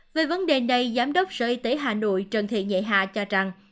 về vấn đề này giám đốc sở y tế hà nội trần thị nhạy hà cho rằng